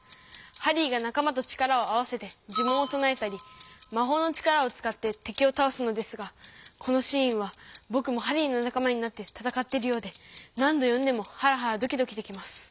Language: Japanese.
ハリーがなか間と力を合わせて呪文を唱えたりまほうの力を使っててきをたおすのですがこのシーンはぼくもハリーのなか間になってたたかってるようで何ど読んでもハラハラドキドキできます。